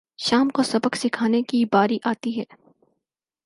شام کو سبق سکھانے کی باری آتی ہے